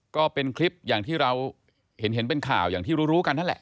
ก็เป็นคลิปอย่างที่เราเห็นเป็นข่าวอย่างที่รู้กันนั่นแหละ